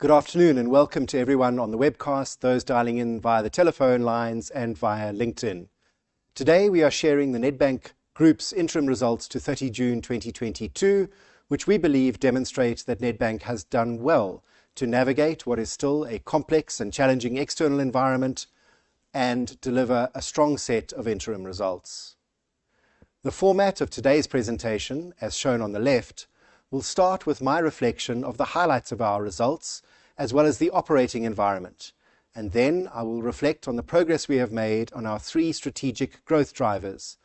Good afternoon, welcome to everyone on the webcast, those dialing in via the telephone lines and via LinkedIn. Today, we are sharing the Nedbank Group's interim results to 30 June 2022, which we believe demonstrates that Nedbank has done well to navigate what is still a complex and challenging external environment and deliver a strong set of interim results. The format of today's presentation, as shown on the left, will start with my reflection of the highlights of our results, as well as the operating environment. Then I will reflect on the progress we have made on our three strategic growth drivers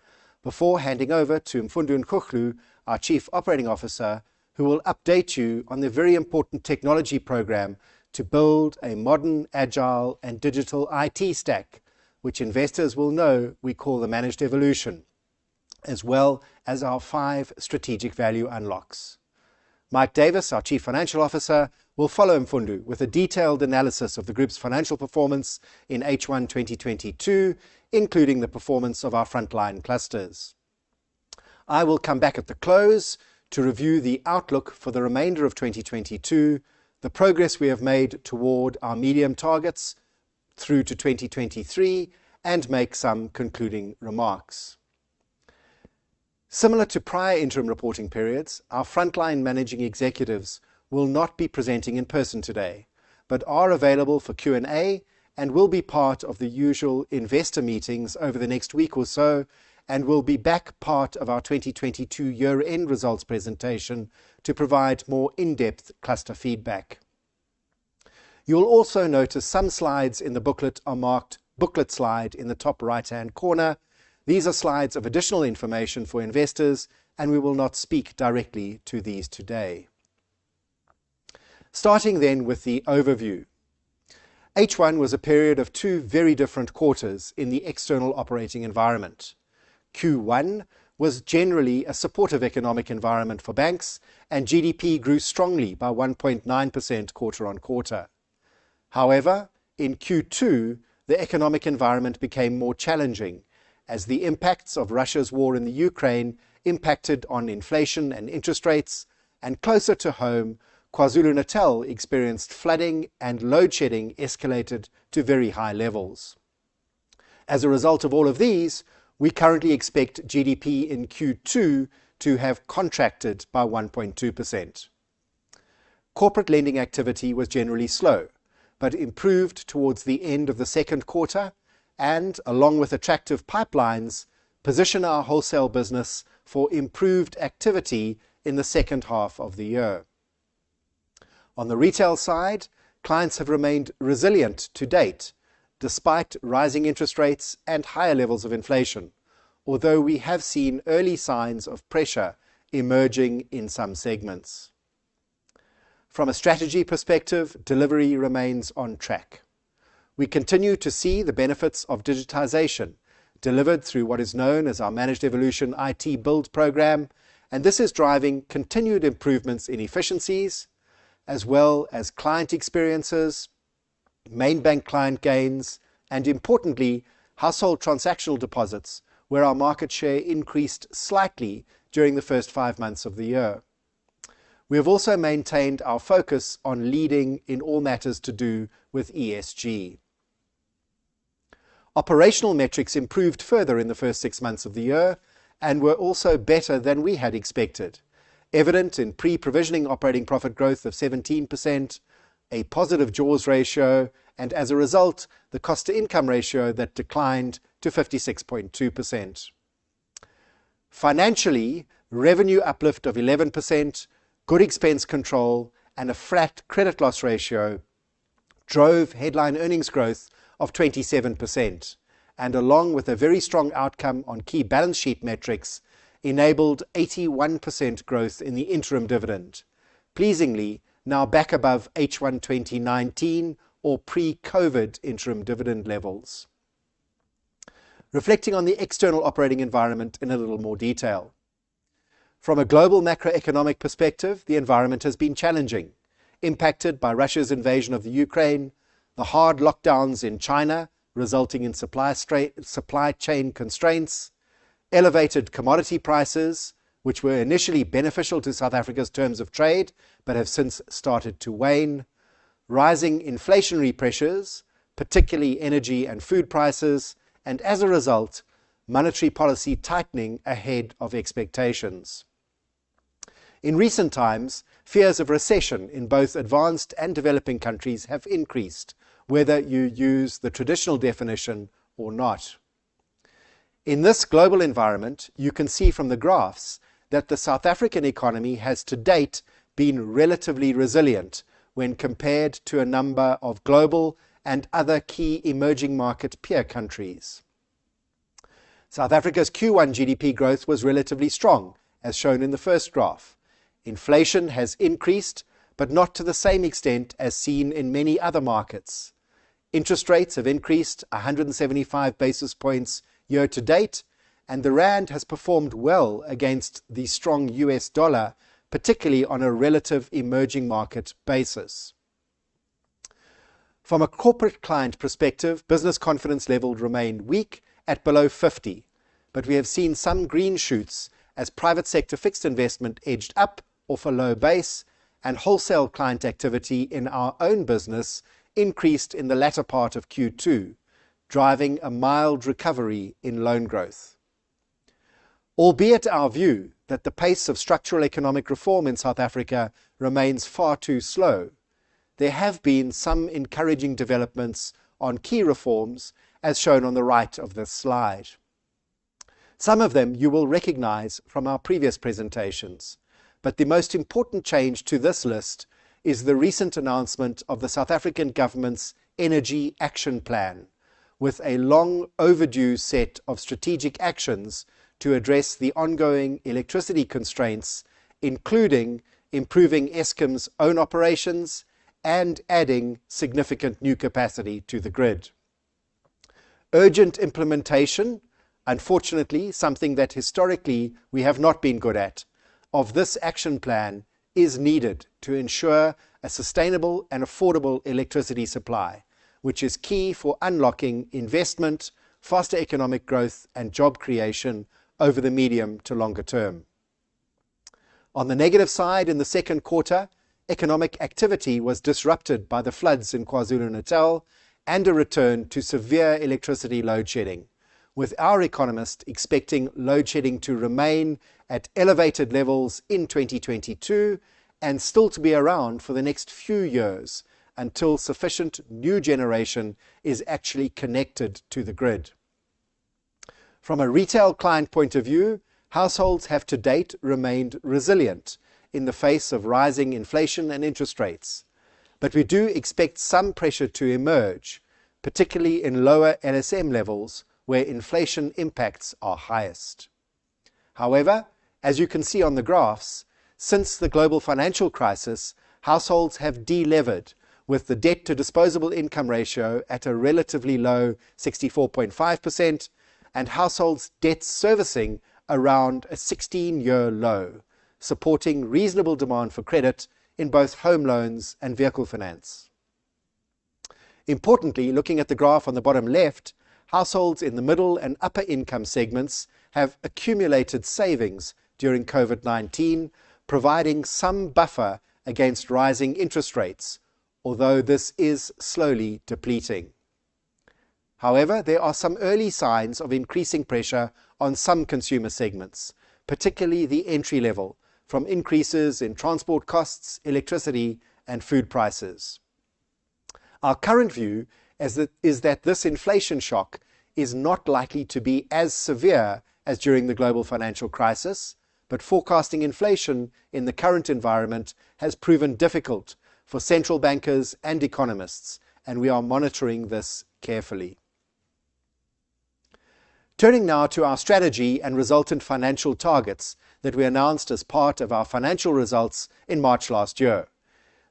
before handing over to Mfundo Nkuhlu, our Chief Operating Officer, who will update you on the very important technology program to build a modern, agile, and digital IT stack, which investors will know we call the Managed Evolution, as well as our five strategic value unlocks. Mike Davis, our Chief Financial Officer, will follow Mfundo with a detailed analysis of the Group's financial performance in H1 2022, including the performance of our frontline clusters. I will come back at the close to review the outlook for the remainder of 2022, the progress we have made toward our medium targets through to 2023, and make some concluding remarks. Similar to prior interim reporting periods, our frontline managing executives will not be presenting in person today, but are available for Q&A and will be part of the usual investor meetings over the next week or so, will be back part of our 2022 year-end results presentation to provide more in-depth cluster feedback. You will also notice some slides in the booklet are marked "booklet slide" in the top right-hand corner. These are slides of additional information for investors, we will not speak directly to these today. Starting then with the overview. H1 was a period of two very different quarters in the external operating environment. Q1 was generally a supportive economic environment for banks, GDP grew strongly by 1.9% quarter-on-quarter. In Q2, the economic environment became more challenging as the impacts of Russia's war in the Ukraine impacted on inflation and interest rates, closer to home, KwaZulu-Natal experienced flooding and load shedding escalated to very high levels. As a result of all of these, we currently expect GDP in Q2 to have contracted by 1.2%. Corporate lending activity was generally slow, improved towards the end of the second quarter, along with attractive pipelines, position our wholesale business for improved activity in the second half of the year. On the retail side, clients have remained resilient to date, despite rising interest rates and higher levels of inflation. Although we have seen early signs of pressure emerging in some segments. From a strategy perspective, delivery remains on track. We continue to see the benefits of digitization delivered through what is known as our Managed Evolution IT build program, this is driving continued improvements in efficiencies as well as client experiences, main bank client gains, and importantly, household transactional deposits, where our market share increased slightly during the first five months of the year. We have also maintained our focus on leading in all matters to do with ESG. Operational metrics improved further in the first six months of the year and were also better than we had expected, evident in pre-provisioning operating profit growth of 17%, a positive Jaws ratio, as a result, the cost-to-income ratio that declined to 56.2%. Financially, revenue uplift of 11%, good expense control, a flat credit loss ratio drove headline earnings growth of 27%, along with a very strong outcome on key balance sheet metrics, enabled 81% growth in the interim dividend. Pleasingly, now back above H1 2019 or pre-COVID interim dividend levels. Reflecting on the external operating environment in a little more detail. From a global macroeconomic perspective, the environment has been challenging, impacted by Russia's invasion of Ukraine, the hard lockdowns in China, resulting in supply chain constraints, elevated commodity prices, which were initially beneficial to South Africa's terms of trade, but have since started to wane, rising inflationary pressures, particularly energy and food prices, as a result, monetary policy tightening ahead of expectations. In recent times, fears of recession in both advanced and developing countries have increased, whether you use the traditional definition or not. In this global environment, you can see from the graphs that the South African economy has to date been relatively resilient when compared to a number of global and other key emerging market peer countries. South Africa's Q1 GDP growth was relatively strong, as shown in the first graph. Inflation has increased, not to the same extent as seen in many other markets. Interest rates have increased 175 basis points year to date, the rand has performed well against the strong US dollar, particularly on a relative emerging market basis. From a corporate client perspective, business confidence level remained weak at below 50. We have seen some green shoots as private sector fixed investment edged up off a low base, wholesale client activity in our own business increased in the latter part of Q2, driving a mild recovery in loan growth. Albeit our view that the pace of structural economic reform in South Africa remains far too slow, there have been some encouraging developments on key reforms, as shown on the right of this slide. Some of them you will recognize from our previous presentations, the most important change to this list is the recent announcement of the South African government's Energy Action Plan with a long overdue set of strategic actions to address the ongoing electricity constraints, including improving Eskom's own operations and adding significant new capacity to the grid. Urgent implementation, unfortunately, something that historically we have not been good at, of this action plan is needed to ensure a sustainable and affordable electricity supply, which is key for unlocking investment, faster economic growth, and job creation over the medium to longer term. On the negative side, in the second quarter, economic activity was disrupted by the floods in KwaZulu-Natal and a return to severe electricity load shedding, with our economist expecting load shedding to remain at elevated levels in 2022 and still to be around for the next few years until sufficient new generation is actually connected to the grid. From a retail client point of view, households have to date remained resilient in the face of rising inflation and interest rates. We do expect some pressure to emerge, particularly in lower LSM levels, where inflation impacts are highest. However, as you can see on the graphs, since the global financial crisis, households have de-levered with the debt-to-disposable income ratio at a relatively low 64.5%, households' debt servicing around a 16-year low, supporting reasonable demand for credit in both home loans and vehicle finance. Importantly, looking at the graph on the bottom left, households in the middle and upper income segments have accumulated savings during COVID-19, providing some buffer against rising interest rates, although this is slowly depleting. However, there are some early signs of increasing pressure on some consumer segments, particularly the entry level, from increases in transport costs, electricity, and food prices. Our current view is that this inflation shock is not likely to be as severe as during the global financial crisis, but forecasting inflation in the current environment has proven difficult for central bankers and economists, and we are monitoring this carefully. Turning now to our strategy and resultant financial targets that we announced as part of our financial results in March last year.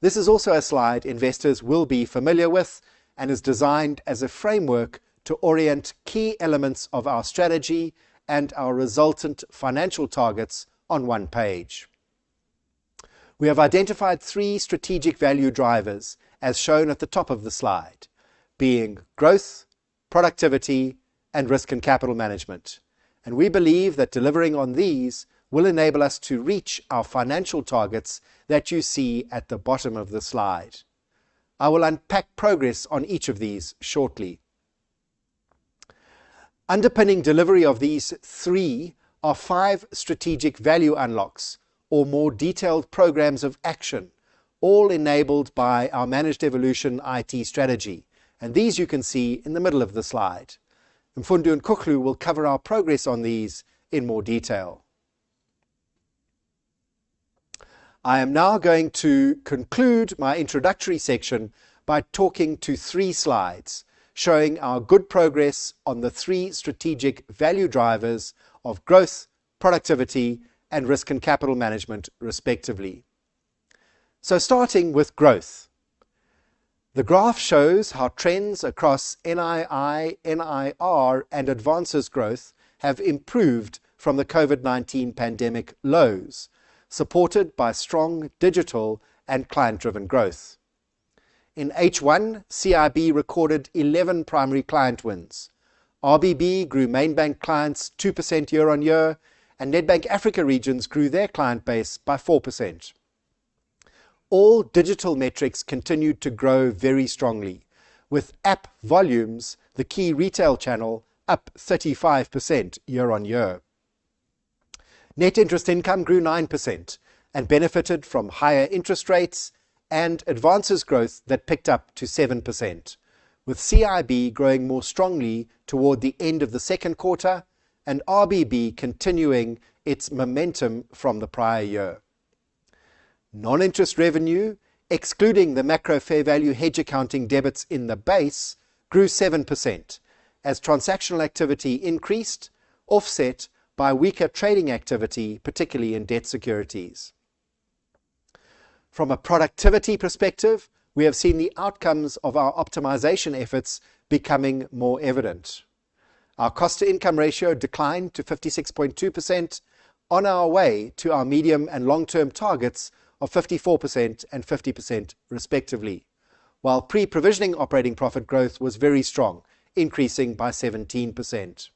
This is also a slide investors will be familiar with and is designed as a framework to orient key elements of our strategy and our resultant financial targets on one page. We have identified three strategic value drivers, as shown at the top of the slide, being growth, productivity, and risk and capital management. We believe that delivering on these will enable us to reach our financial targets that you see at the bottom of the slide. I will unpack progress on each of these shortly. Underpinning delivery of these three are five strategic value unlocks or more detailed programs of action, all enabled by our Managed Evolution IT strategy. These you can see in the middle of the slide. Mfundo and Nkuhlu will cover our progress on these in more detail. I am now going to conclude my introductory section by talking to three slides showing our good progress on the three strategic value drivers of growth, productivity, and risk and capital management, respectively. Starting with growth. The graph shows how trends across NII, NIR, and advances growth have improved from the COVID-19 pandemic lows, supported by strong digital and client-driven growth. In H1, CIB recorded 11 primary client wins. RBB grew main bank clients 2% year-on-year, and Nedbank Africa Regions grew their client base by 4%. All digital metrics continued to grow very strongly with app volumes, the key retail channel, up 35% year-on-year. Net interest income grew 9% and benefited from higher interest rates and advances growth that picked up to 7%, with CIB growing more strongly toward the end of the second quarter and RBB continuing its momentum from the prior year. Non-interest revenue, excluding the macro fair value hedge accounting debits in the base, grew 7% as transactional activity increased, offset by weaker trading activity, particularly in debt securities. From a productivity perspective, we have seen the outcomes of our optimization efforts becoming more evident. Our cost to income ratio declined to 56.2% on our way to our medium and long-term targets of 54% and 50%, respectively. While pre-provisioning operating profit growth was very strong, increasing by 17%.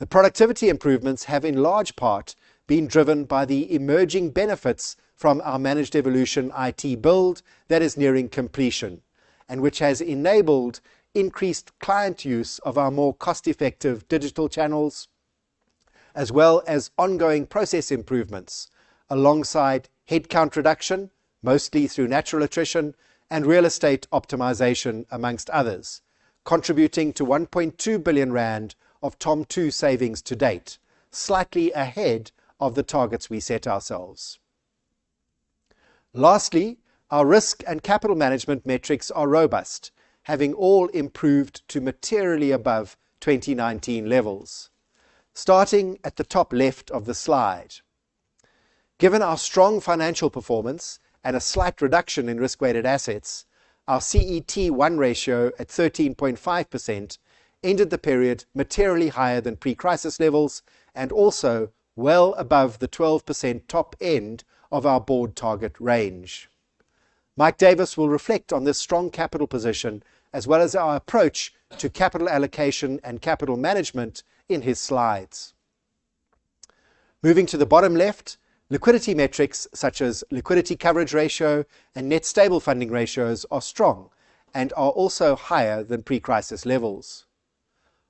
The productivity improvements have, in large part, been driven by the emerging benefits from our Managed Evolution IT build that is nearing completion, which has enabled increased client use of our more cost-effective digital channels, as well as ongoing process improvements alongside headcount reduction, mostly through natural attrition and real estate optimization, amongst others, contributing to 1.2 billion rand of TOM2 savings to date, slightly ahead of the targets we set ourselves. Lastly, our risk and capital management metrics are robust, having all improved to materially above 2019 levels. Starting at the top left of the slide. Given our strong financial performance and a slight reduction in risk-weighted assets, our CET1 ratio at 13.5% ended the period materially higher than pre-crisis levels, and also well above the 12% top end of our board target range. Mike Davis will reflect on this strong capital position, as well as our approach to capital allocation and capital management in his slides. Moving to the bottom left, liquidity metrics such as liquidity coverage ratio and net stable funding ratios are strong and are also higher than pre-crisis levels.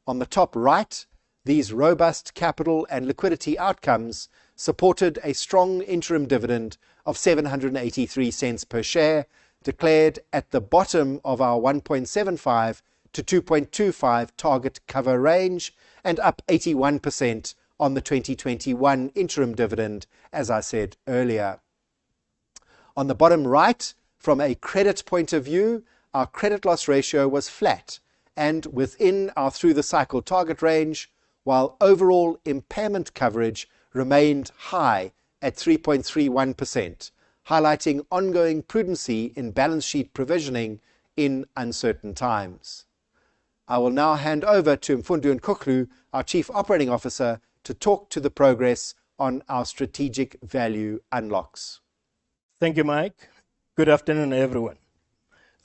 On the top right, these robust capital and liquidity outcomes supported a strong interim dividend of 7.83 per share, declared at the bottom of our 1.75-2.25 target cover range, and up 81% on the 2021 interim dividend, as I said earlier. On the bottom right, from a credit point of view, our credit loss ratio was flat and within our through the cycle target range, while overall impairment coverage remained high at 3.31%, highlighting ongoing prudency in balance sheet provisioning in uncertain times. I will now hand over to Mfundo Nkuhlu, our Chief Operating Officer, to talk to the progress on our strategic value unlocks. Thank you, Mike. Good afternoon, everyone.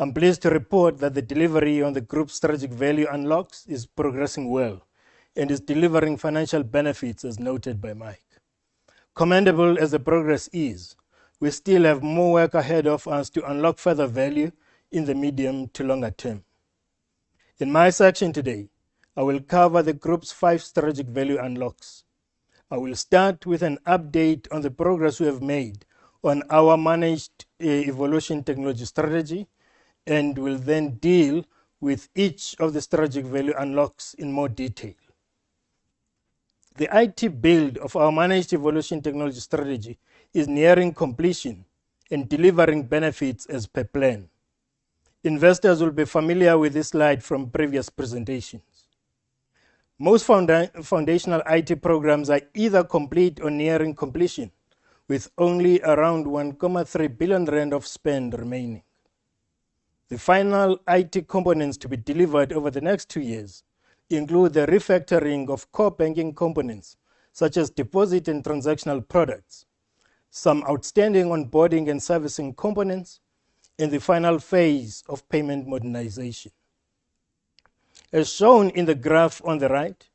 I am pleased to report that the delivery on the group's strategic value unlocks is progressing well and is delivering financial benefits, as noted by Mike. Commendable as the progress is, we still have more work ahead of us to unlock further value in the medium to longer term. In my section today, I will cover the group's five strategic value unlocks. I will start with an update on the progress we have made on our Managed Evolution technology strategy, and will then deal with each of the strategic value unlocks in more detail. The IT build of our Managed Evolution technology strategy is nearing completion and delivering benefits as per plan. Investors will be familiar with this slide from previous presentations. Most foundational IT programs are either complete or nearing completion, with only around 1.3 billion rand of spend remaining. The final IT components to be delivered over the next two years include the refactoring of core banking components, such as deposit and transactional products, some outstanding onboarding and servicing components, and the final phase of payment modernization. As shown in the graph on the right,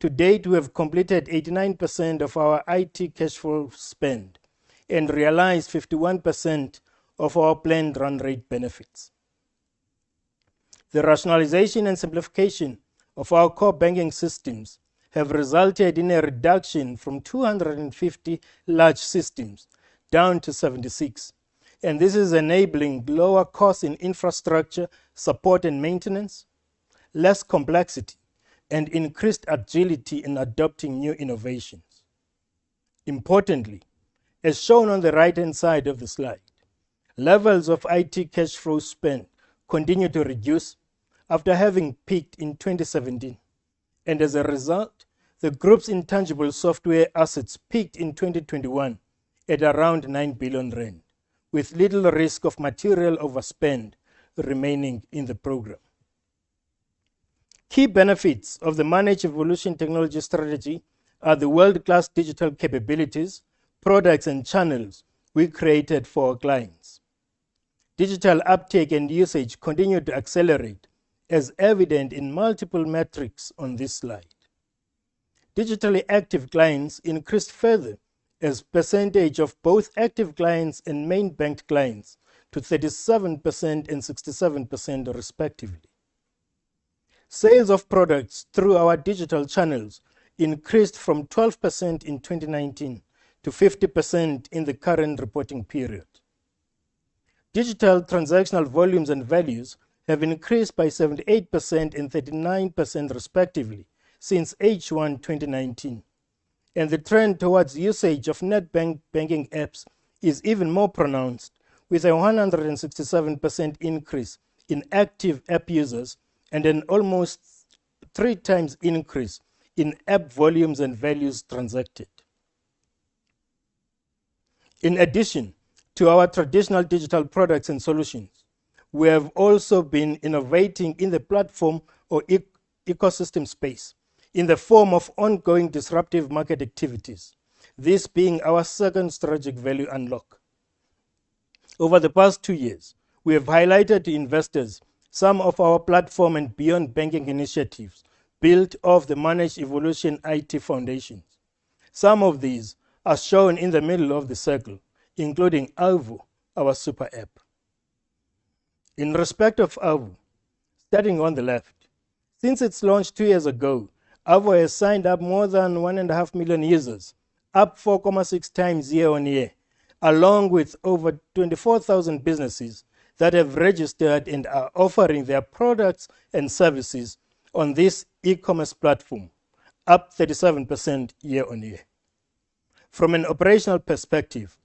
to date, we have completed 89% of our IT cash flow spend and realized 51% of our planned run rate benefits. The rationalization and simplification of our core banking systems have resulted in a reduction from 250 large systems down to 76, and this is enabling lower costs in infrastructure support and maintenance, less complexity, and increased agility in adopting new innovations. Importantly, as shown on the right-hand side of the slide, levels of IT cash flow spend continue to reduce after having peaked in 2017, and as a result, the group's intangible software assets peaked in 2021 at around 9 billion rand, with little risk of material overspend remaining in the program. Key benefits of the Managed Evolution technology strategy are the world-class digital capabilities, products, and channels we created for our clients. Digital uptake and usage continued to accelerate, as evident in multiple metrics on this slide. Digitally active clients increased further as percentage of both active clients and main banked clients to 37% and 67%, respectively. Sales of products through our digital channels increased from 12% in 2019 to 50% in the current reporting period. Digital transactional volumes and values have increased by 78% and 39%, respectively, since H1 2019. The trend towards usage of Nedbank banking apps is even more pronounced with a 167% increase in active app users and an almost three times increase in app volumes and values transacted. In addition to our traditional digital products and solutions, we have also been innovating in the platform or ecosystem space in the form of ongoing disruptive market activities, this being our second strategic value unlock. Over the past two years, we have highlighted to investors some of our platform and beyond banking initiatives built off the Managed Evolution IT foundations. Some of these are shown in the middle of the circle, including Avo, our super app. In respect of Avo, starting on the left, since its launch two years ago, Avo has signed up more than 1.5 million users, up 4.6 times year-on-year, along with over 24,000 businesses that have registered and are offering their products and services on this e-commerce platform, up 37% year-on-year. From an operational perspective,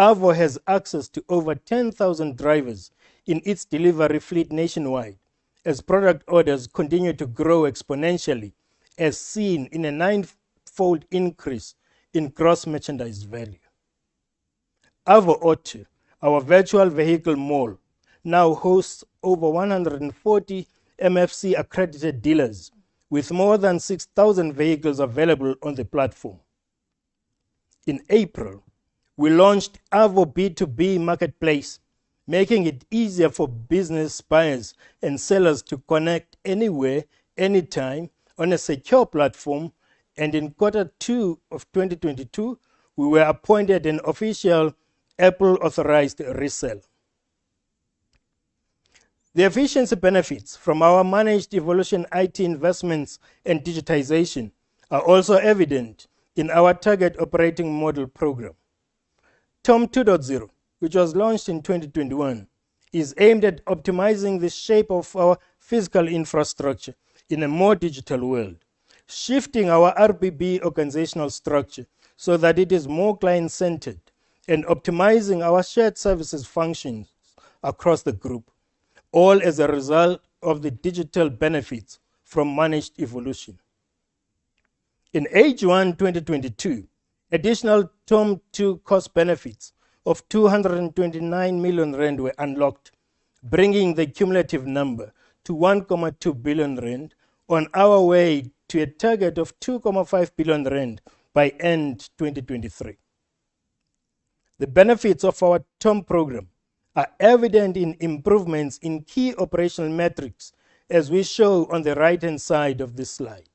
Avo has access to over 10,000 drivers in its delivery fleet nationwide as product orders continue to grow exponentially, as seen in a ninefold increase in gross merchandise value. Avo Auto, our virtual vehicle mall, now hosts over 140 MFC accredited dealers with more than 6,000 vehicles available on the platform. In April, we launched Avo B2B marketplace, making it easier for business buyers and sellers to connect anywhere, anytime on a secure platform. In quarter two of 2022, we were appointed an official Apple authorized reseller. The efficiency benefits from our Managed Evolution IT investments and digitization are also evident in our Target Operating Model program. TOM 2.0, which was launched in 2021, is aimed at optimizing the shape of our physical infrastructure in a more digital world, shifting our RBB organizational structure so that it is more client-centered, and optimizing our shared services functions across the group, all as a result of the digital benefits from Managed Evolution. In H1 2022, additional TOM 2 cost benefits of 229 million rand were unlocked, bringing the cumulative number to 1.2 billion rand on our way to a target of 2.5 billion rand by end 2023. The benefits of our TOM program are evident in improvements in key operational metrics, as we show on the right-hand side of this slide.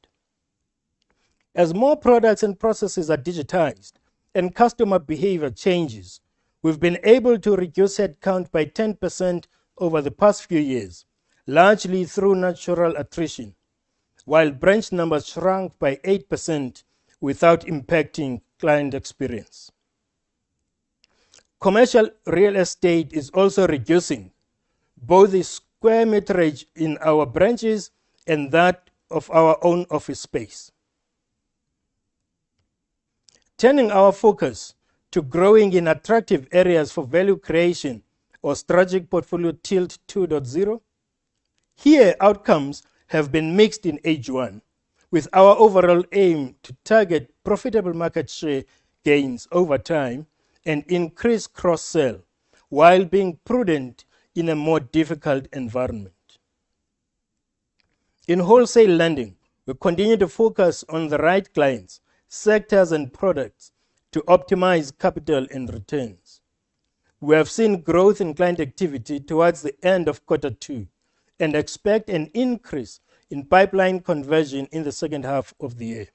As more products and processes are digitized and customer behavior changes, we've been able to reduce headcount by 10% over the past few years, largely through natural attrition, while branch numbers shrunk by 8% without impacting client experience. Commercial real estate is also reducing both the square meterage in our branches and that of our own office space. Turning our focus to growing in attractive areas for value creation or Strategic Portfolio Tilt 2.0, here outcomes have been mixed in H1 with our overall aim to target profitable market share gains over time and increase cross-sell while being prudent in a more difficult environment. In wholesale lending, we continue to focus on the right clients, sectors, and products to optimize capital and returns. We have seen growth in client activity towards the end of quarter two and expect an increase in pipeline conversion in the second half of the year.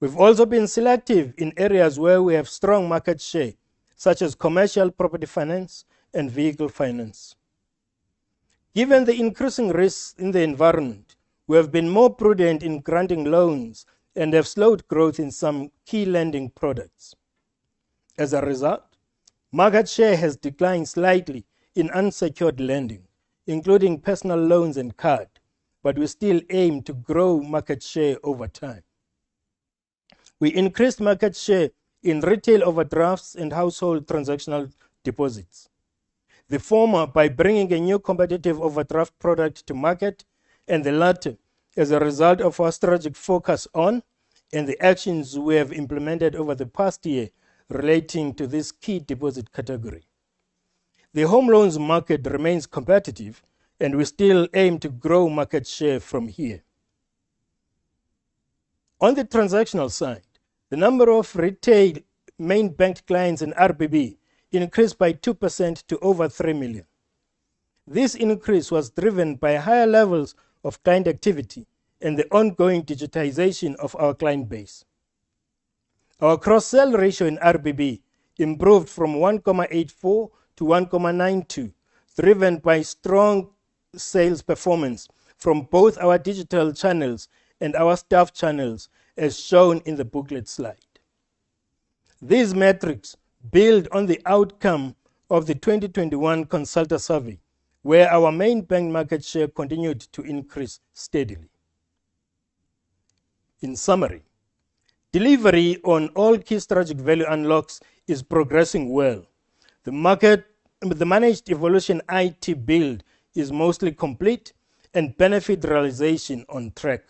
We've also been selective in areas where we have strong market share, such as commercial property finance and vehicle finance. Given the increasing risks in the environment, we have been more prudent in granting loans and have slowed growth in some key lending products. As a result, market share has declined slightly in unsecured lending, including personal loans and card, but we still aim to grow market share over time. We increased market share in retail overdrafts and household transactional deposits, the former by bringing a new competitive overdraft product to market, and the latter as a result of our strategic focus on and the actions we have implemented over the past year relating to this key deposit category. The home loans market remains competitive, and we still aim to grow market share from here. On the transactional side, the number of retail main bank clients in RBB increased by 2% to over 3 million. This increase was driven by higher levels of client activity and the ongoing digitization of our client base. Our cross-sell ratio in RBB improved from 1.84 to 1.92, driven by strong sales performance from both our digital channels and our staff channels, as shown in the booklet slide. These metrics build on the outcome of the 2021 Consulta survey, where our main bank market share continued to increase steadily. In summary, delivery on all key strategic value unlocks is progressing well. The Managed Evolution IT build is mostly complete and benefit realization on track.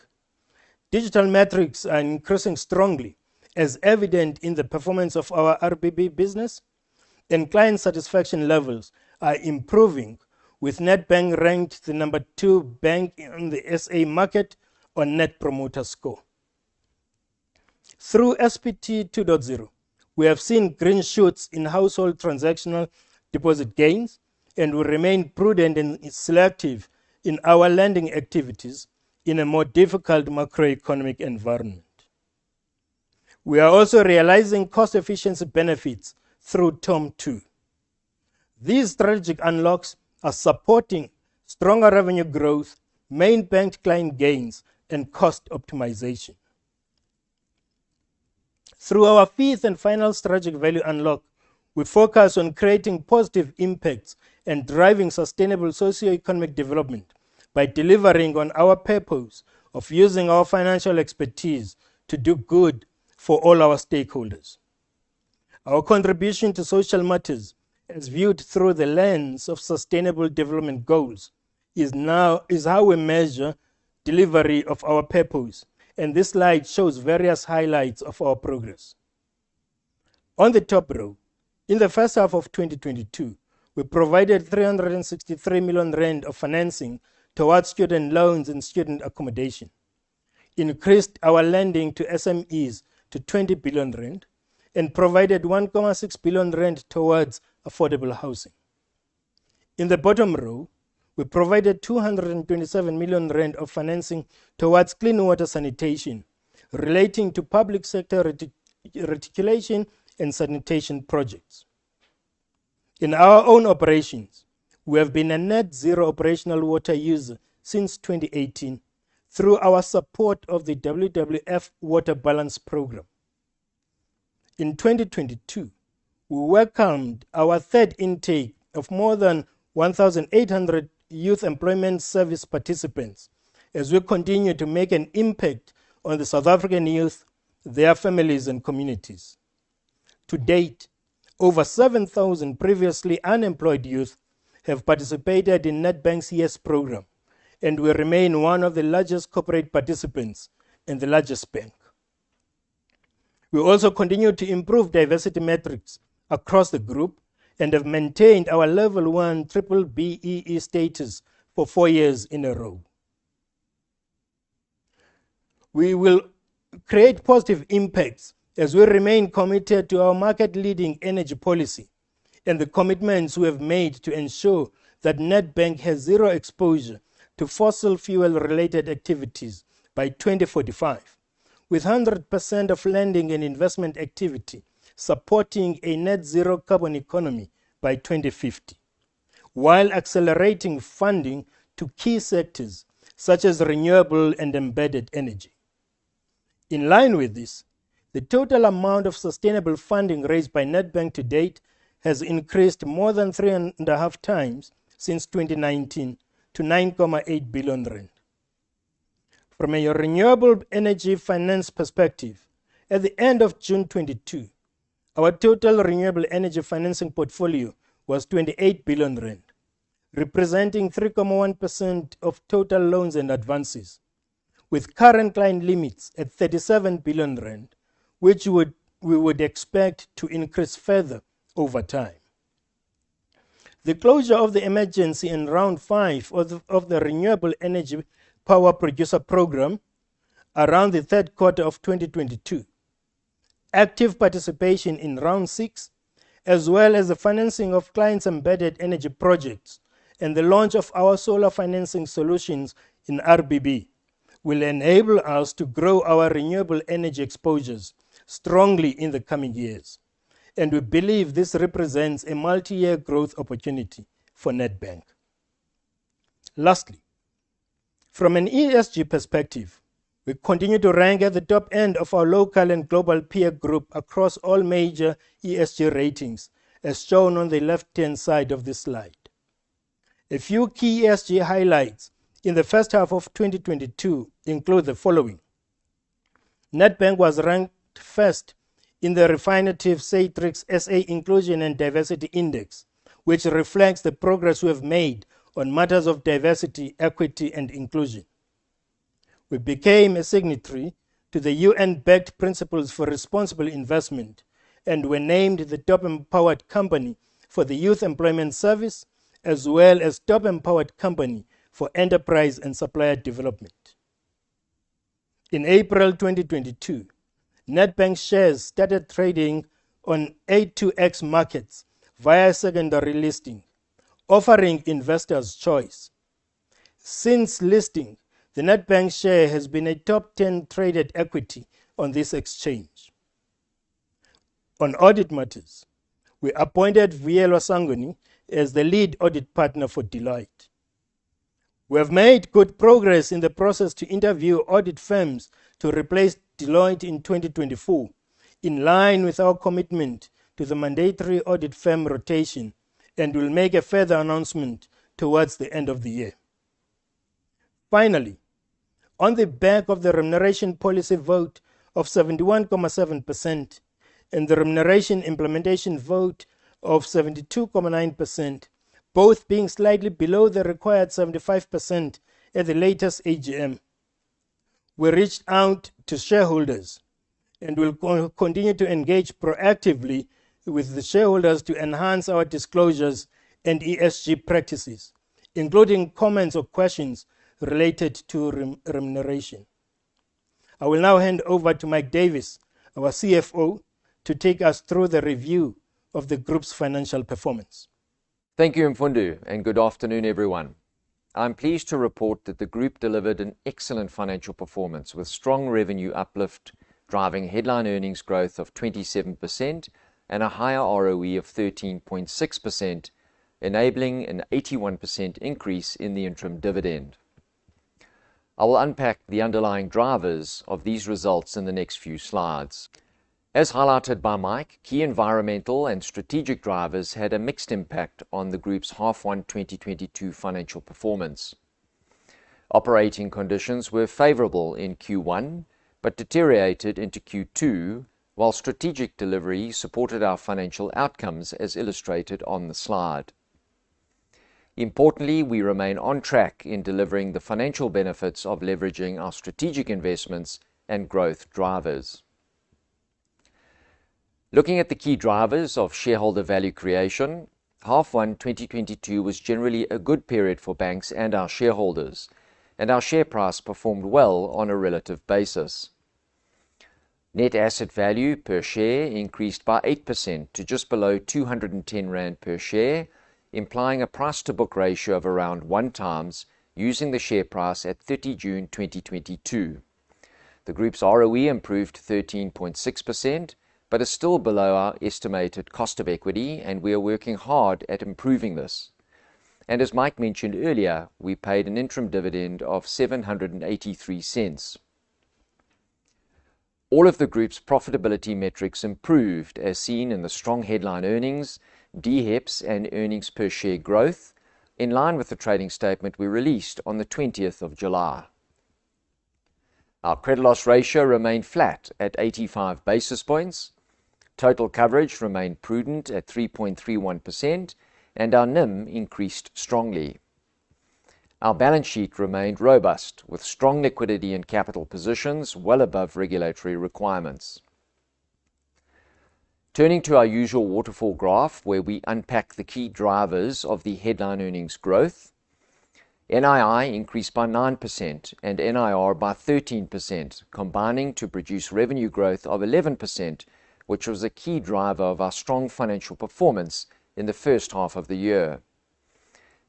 Digital metrics are increasing strongly, as evident in the performance of our RBB business, and client satisfaction levels are improving with Nedbank ranked the number two bank on the SA market on Net Promoter Score. Through SPT 2.0, we have seen green shoots in household transactional deposit gains and will remain prudent and selective in our lending activities in a more difficult macroeconomic environment. We are also realizing cost efficiency benefits through TOM 2.0. These strategic unlocks are supporting stronger revenue growth, main bank client gains, and cost optimization. Through our fifth and final strategic value unlock, we focus on creating positive impacts and driving sustainable socioeconomic development by delivering on our purpose of using our financial expertise to do good for all our stakeholders. Our contribution to social matters is viewed through the lens of Sustainable Development Goals is how we measure delivery of our purpose, and this slide shows various highlights of our progress. On the top row, in the first half of 2022, we provided 363 million rand of financing towards student loans and student accommodation, increased our lending to SMEs to 20 billion rand, and provided 1.6 billion rand towards affordable housing. In the bottom row, we provided 227 million rand of financing towards clean water sanitation relating to public sector reticulation and sanitation projects. In our own operations, we have been a net zero operational water user since 2018 through our support of the WWF Water Balance Programme. In 2022, we welcomed our third intake of more than 1,800 Youth Employment Service participants as we continue to make an impact on the South African youth, their families, and communities. To date, over 7,000 previously unemployed youth have participated in Nedbank's YES program, and we remain one of the largest corporate participants and the largest bank. We also continue to improve diversity metrics across the group and have maintained our level 1 triple BEE status for four years in a row. We will create positive impacts as we remain committed to our market-leading energy policy and the commitments we have made to ensure that Nedbank has zero exposure to fossil fuel-related activities by 2045, with 100% of lending and investment activity supporting a net zero carbon economy by 2050, while accelerating funding to key sectors such as renewable and embedded energy. In line with this, the total amount of sustainable funding raised by Nedbank to date has increased more than three and a half times since 2019 to 9.8 billion rand. From a renewable energy finance perspective, at the end of June 2022, our total renewable energy financing portfolio was 28 billion rand, representing 3.1% of total loans and advances, with current line limits at 37 billion rand, which we would expect to increase further over time. The closure of the emergency in round 5 of the Renewable Energy Independent Power Producer Procurement Programme around the third quarter of 2022. Active participation in round 6, as well as the financing of clients' embedded energy projects and the launch of our solar financing solutions in RBB will enable us to grow our renewable energy exposures strongly in the coming years. We believe this represents a multiyear growth opportunity for Nedbank. Lastly, from an ESG perspective, we continue to rank at the top end of our local and global peer group across all major ESG ratings, as shown on the left-hand side of this slide. A few key ESG highlights in the first half of 2022 include the following. Nedbank was ranked first in the Refinitiv Satrix South Africa Inclusion and Diversity Index, which reflects the progress we have made on matters of diversity, equity, and inclusion. We became a signatory to the UN-backed Principles for Responsible Investment and were named the top empowered company for the Youth Employment Service, as well as top empowered company for enterprise and supplier development. In April 2022, Nedbank shares started trading on A2X Markets via secondary listing, offering investors choice. Since listing, the Nedbank share has been a top 10 traded equity on this exchange. On audit matters, we appointed Vuyelwa Sangoni as the lead audit partner for Deloitte. We have made good progress in the process to interview audit firms to replace Deloitte in 2024, in line with our commitment to the mandatory audit firm rotation and will make a further announcement towards the end of the year. Finally, on the back of the remuneration policy vote of 71.7% and the remuneration implementation vote of 72.9% both being slightly below the required 75% at the latest AGM. We reached out to shareholders and will continue to engage proactively with the shareholders to enhance our disclosures and ESG practices, including comments or questions related to remuneration. I will now hand over to Mike Davis, our CFO, to take us through the review of the group's financial performance. Thank you, Mfundo, good afternoon, everyone. I'm pleased to report that the group delivered an excellent financial performance with strong revenue uplift, driving headline earnings growth of 27% and a higher ROE of 13.6%, enabling an 81% increase in the interim dividend. I will unpack the underlying drivers of these results in the next few slides. As highlighted by Mike, key environmental and strategic drivers had a mixed impact on the group's Half 1 2022 financial performance. Operating conditions were favorable in Q1, deteriorated into Q2, while strategic delivery supported our financial outcomes as illustrated on the slide. Importantly, we remain on track in delivering the financial benefits of leveraging our strategic investments and growth drivers. Looking at the key drivers of shareholder value creation, Half 1 2022 was generally a good period for banks and our shareholders, our share price performed well on a relative basis. Net asset value per share increased by 8% to just below 210 rand per share, implying a price to book ratio of around one times using the share price at 30 June 2022. The group's ROE improved 13.6%, is still below our estimated cost of equity, we are working hard at improving this. As Mike mentioned earlier, we paid an interim dividend of 7.83. All of the group's profitability metrics improved, as seen in the strong headline earnings, DHEPS and earnings per share growth in line with the trading statement we released on the 20th of July. Our credit loss ratio remained flat at 85 basis points. Total coverage remained prudent at 3.31%, our NIM increased strongly. Our balance sheet remained robust with strong liquidity and capital positions well above regulatory requirements. Turning to our usual waterfall graph, where we unpack the key drivers of the headline earnings growth. NII increased by 9%, NIR by 13%, combining to produce revenue growth of 11%, which was a key driver of our strong financial performance in the first half of the year.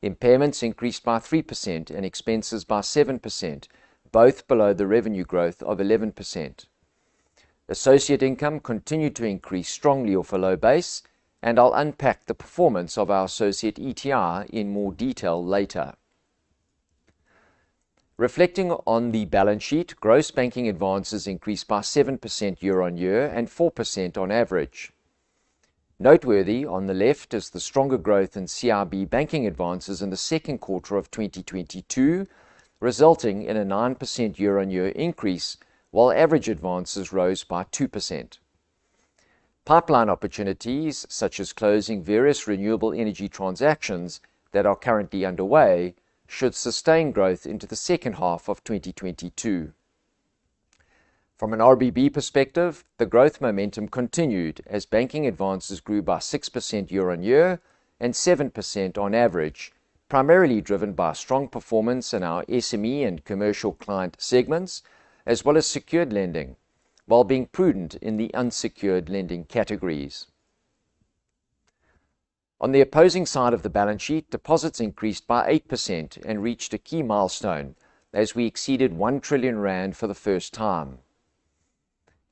Impairments increased by 3%, expenses by 7%, both below the revenue growth of 11%. Associate income continued to increase strongly off a low base, I'll unpack the performance of our associate ETI in more detail later. Reflecting on the balance sheet, gross banking advances increased by 7% year-on-year and 4% on average. Noteworthy on the left is the stronger growth in CIB banking advances in the second quarter of 2022, resulting in a 9% year-on-year increase, average advances rose by 2%. Pipeline opportunities, such as closing various renewable energy transactions that are currently underway, should sustain growth into the second half of 2022. From an RBB perspective, the growth momentum continued as banking advances grew by 6% year-over-year and 7% on average, primarily driven by strong performance in our SME and commercial client segments, as well as secured lending, while being prudent in the unsecured lending categories. On the opposing side of the balance sheet, deposits increased by 8% and reached a key milestone as we exceeded 1 trillion rand for the first time.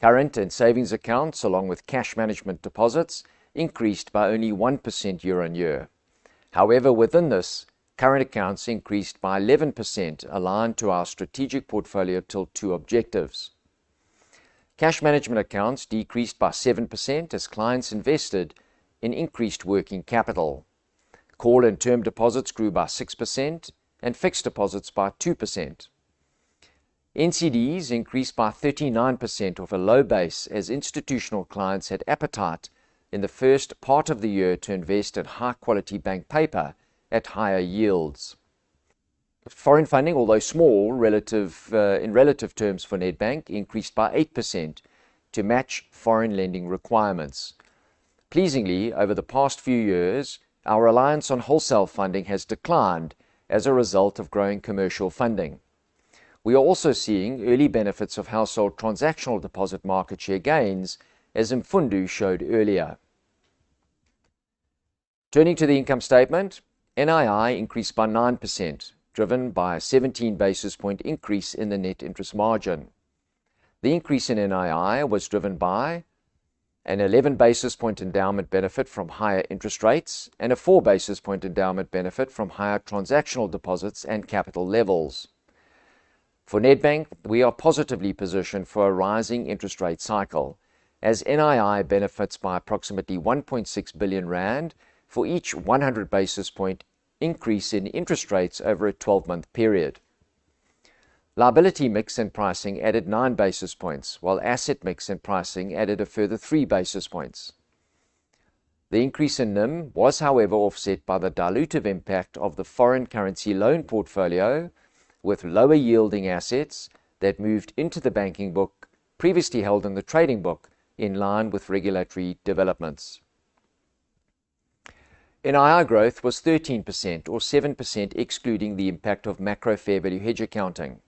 Current and savings accounts, along with cash management deposits, increased by only 1% year-over-year. However, within this, current accounts increased by 11%, aligned to our Strategic Portfolio Tilt 2.0 objectives. Cash management accounts decreased by 7% as clients invested in increased working capital. Call and term deposits grew by 6% and fixed deposits by 2%. NCDs increased by 39% off a low base as institutional clients had appetite in the first part of the year to invest in high-quality bank paper at higher yields. Foreign funding, although small in relative terms for Nedbank, increased by 8% to match foreign lending requirements. Pleasingly, over the past few years, our reliance on wholesale funding has declined as a result of growing commercial funding. We are also seeing early benefits of household transactional deposit market share gains, as Mfundo showed earlier. Turning to the income statement, NII increased by 9%, driven by a 17 basis point increase in the net interest margin. The increase in NII was driven by an 11 basis point endowment benefit from higher interest rates and a four basis point endowment benefit from higher transactional deposits and capital levels. For Nedbank, we are positively positioned for a rising interest rate cycle as NII benefits by approximately 1.6 billion rand for each 100 basis point increase in interest rates over a 12-month period. Liability mix and pricing added nine basis points, while asset mix and pricing added a further three basis points. The increase in NIM was however offset by the dilutive impact of the foreign currency loan portfolio, with lower yielding assets that moved into the banking book previously held in the trading book in line with regulatory developments. NIR growth was 13% or 7% excluding the impact of macro fair value hedge accounting.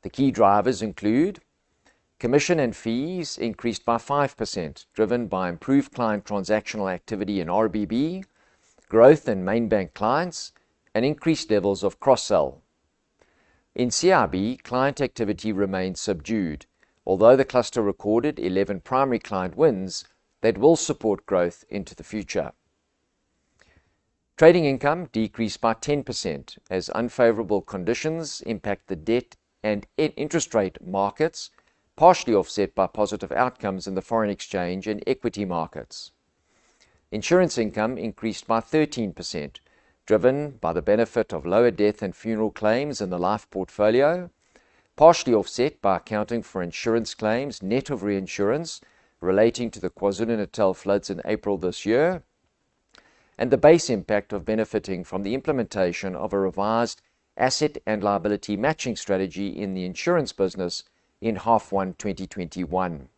The key drivers include commission and fees increased by 5%, driven by improved client transactional activity in RBB, growth in main bank clients, and increased levels of cross-sell. In CIB, client activity remained subdued, although the cluster recorded 11 primary client wins that will support growth into the future. Trading income decreased by 10% as unfavorable conditions impact the debt and interest rate markets, partially offset by positive outcomes in the foreign exchange and equity markets. Insurance income increased by 13%, driven by the benefit of lower death and funeral claims in the life portfolio, partially offset by accounting for insurance claims net of reinsurance relating to the KwaZulu-Natal floods in April this year, and the base impact of benefiting from the implementation of a revised asset and liability matching strategy in the insurance business in half one 2021.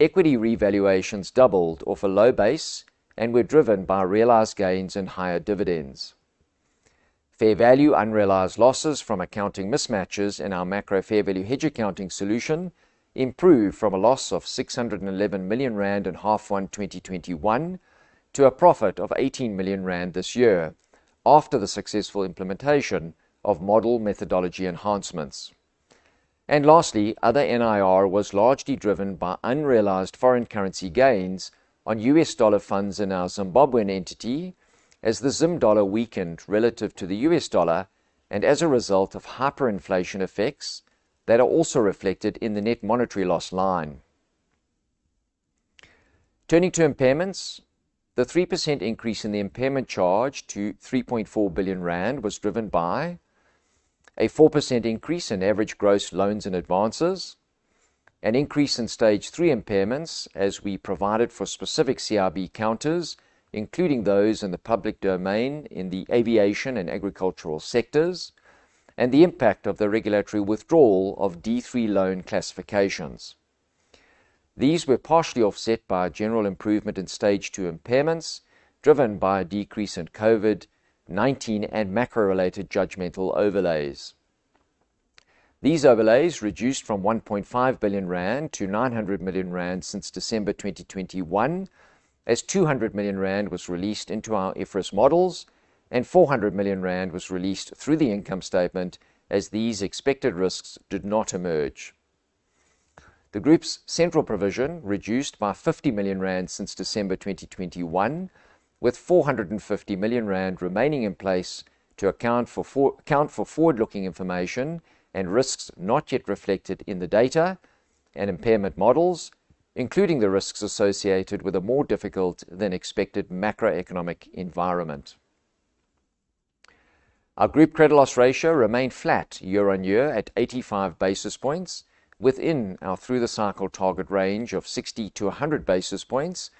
Equity revaluations doubled off a low base and were driven by realized gains and higher dividends. Fair value unrealized losses from accounting mismatches in our macro fair value hedge accounting solution improved from a loss of 611 million rand in half one 2021 to a profit of 18 million rand this year after the successful implementation of model methodology enhancements. Lastly, other NIR was largely driven by unrealized foreign currency gains on US dollar funds in our Zimbabwean entity as the Zim dollar weakened relative to the US dollar and as a result of hyperinflation effects that are also reflected in the net monetary loss line. Turning to impairments, the 3% increase in the impairment charge to 3.4 billion rand was driven by a 4% increase in average gross loans and advances, an increase in stage 3 impairments as we provided for specific CIB counters, including those in the public domain in the aviation and agricultural sectors, and the impact of the regulatory withdrawal of D3 loan classifications. These were partially offset by a general improvement in stage 2 impairments, driven by a decrease in COVID-19 and macro-related judgmental overlays. These overlays reduced from 1.5 billion rand to 900 million rand since December 2021 as 200 million rand was released into our IFRS models and 400 million rand was released through the income statement as these expected risks did not emerge. The group's central provision reduced by 50 million rand since December 2021, with 450 million rand remaining in place to account for forward-looking information and risks not yet reflected in the data and impairment models, including the risks associated with a more difficult than expected macroeconomic environment. Our group credit loss ratio remained flat year-on-year at 85 basis points within our through the cycle target range of 60 to 100 basis points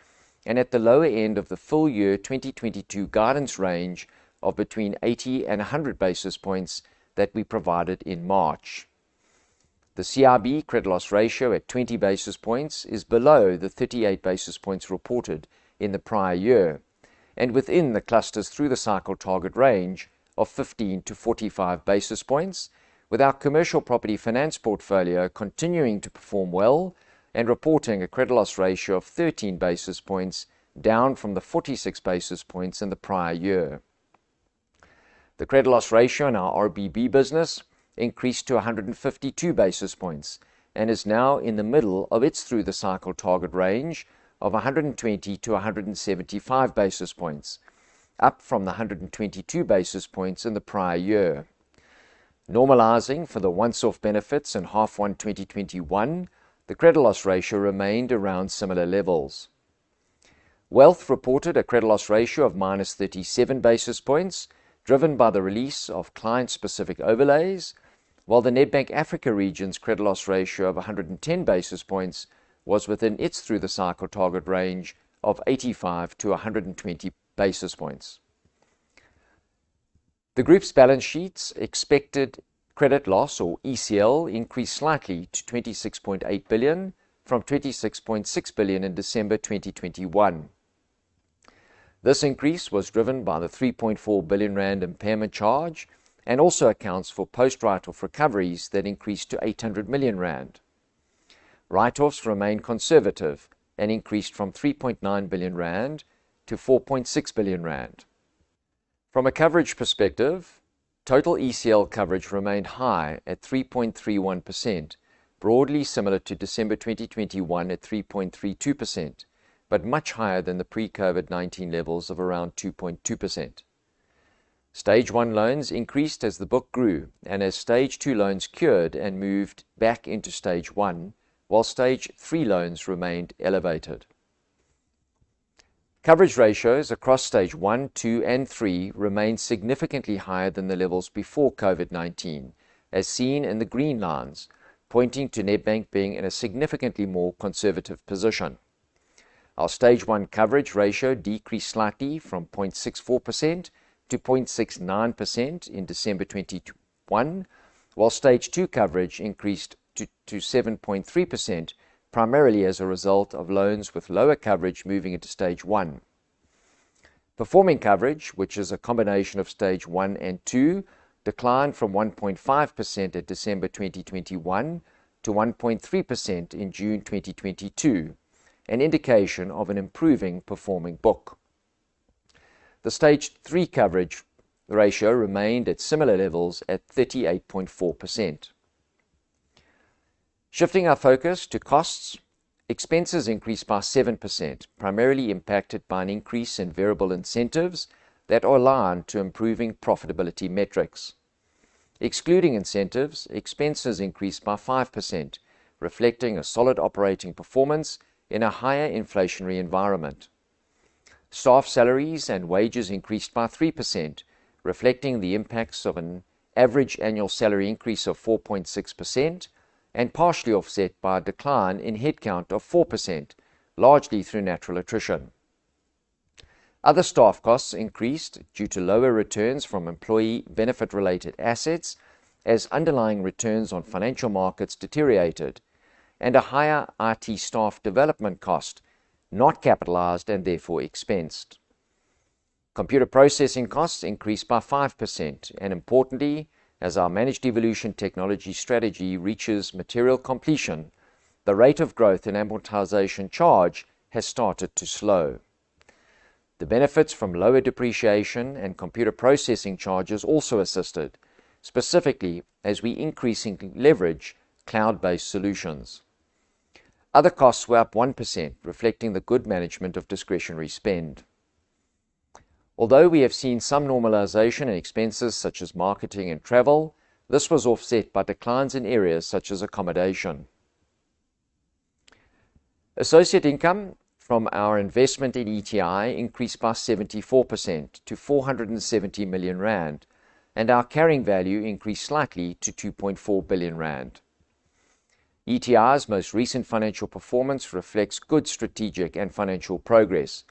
and at the lower end of the full year 2022 guidance range of between 80 and 100 basis points that we provided in March. The CIB credit loss ratio at 20 basis points is below the 38 basis points reported in the prior year and within the cluster's through the cycle target range of 15 to 45 basis points with our commercial property finance portfolio continuing to perform well and reporting a credit loss ratio of 13 basis points down from the 46 basis points in the prior year. The credit loss ratio in our RBB business increased to 152 basis points and is now in the middle of its through the cycle target range of 120 to 175 basis points, up from the 122 basis points in the prior year. Normalizing for the once-off benefits in half one 2021, the credit loss ratio remained around similar levels. Nedbank Wealth reported a credit loss ratio of -37 basis points driven by the release of client specific overlays while the Nedbank Africa Regions' credit loss ratio of 110 basis points was within its through the cycle target range of 85-120 basis points. The group's balance sheets expected credit loss or ECL increased slightly to 26.8 billion from 26.6 billion in December 2021. This increase was driven by the 3.4 billion rand impairment charge and also accounts for post write-off recoveries that increased to 800 million rand. Write-offs remain conservative and increased from 3.9 billion rand to 4.6 billion rand. From a coverage perspective, total ECL coverage remained high at 3.31%, broadly similar to December 2021 at 3.32%, but much higher than the pre-COVID-19 levels of around 2.2%. Stage 1 loans increased as the book grew and as stage 2 loans cured and moved back into stage 1 while stage 3 loans remained elevated. Coverage ratios across stage 1, 2, and 3 remain significantly higher than the levels before COVID-19, as seen in the green lines, pointing to Nedbank being in a significantly more conservative position. Our stage 1 coverage ratio decreased slightly from 0.64%-0.69% in December 2021, while stage 2 coverage increased to 7.3%, primarily as a result of loans with lower coverage moving into stage 1. Performing coverage, which is a combination of stage 1 and 2, declined from 1.5% at December 2021 to 1.3% in June 2022, an indication of an improving performing book. The stage 3 coverage ratio remained at similar levels at 38.4%. Shifting our focus to costs, expenses increased by 7%, primarily impacted by an increase in variable incentives that are aligned to improving profitability metrics. Excluding incentives, expenses increased by 5%, reflecting a solid operating performance in a higher inflationary environment. Staff salaries and wages increased by 3%, reflecting the impacts of an average annual salary increase of 4.6% and partially offset by a decline in headcount of 4%, largely through natural attrition. Other staff costs increased due to lower returns from employee benefit-related assets as underlying returns on financial markets deteriorated and a higher IT staff development cost, not capitalized and therefore expensed. Computer processing costs increased by 5%, and importantly, as our Managed Evolution technology strategy reaches material completion, the rate of growth in amortization charge has started to slow. The benefits from lower depreciation and computer processing charges also assisted, specifically as we increasingly leverage cloud-based solutions. Other costs were up 1%, reflecting the good management of discretionary spend. Although we have seen some normalization in expenses such as marketing and travel, this was offset by declines in areas such as accommodation. Associate income from our investment in ETI increased by 74% to 470 million rand, and our carrying value increased slightly to 2.4 billion rand. ETI's most recent financial performance reflects good strategic and financial progress,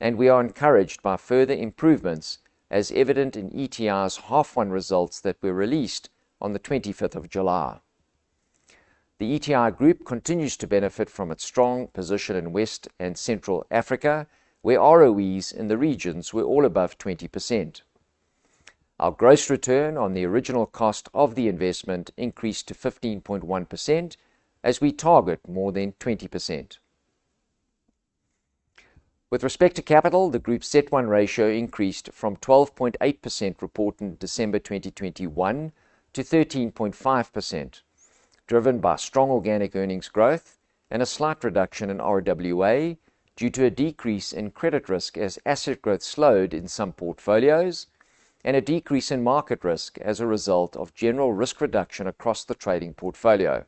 and we are encouraged by further improvements, as evident in ETI's half one results that were released on the 25th of July. The ETI Group continues to benefit from its strong position in West and Central Africa, where ROEs in the regions were all above 20%. Our gross return on the original cost of the investment increased to 15.1% as we target more than 20%. With respect to capital, the group's CET1 ratio increased from 12.8% reported in December 2021 to 13.5%, driven by strong organic earnings growth and a slight reduction in RWA due to a decrease in credit risk as asset growth slowed in some portfolios and a decrease in market risk as a result of general risk reduction across the trading portfolio.